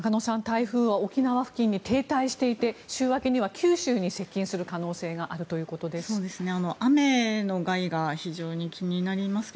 台風は沖縄付近に停滞していて週明けには九州に接近する可能性があるということです。